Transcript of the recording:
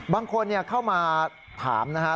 บางคนเข้ามาถามนะฮะ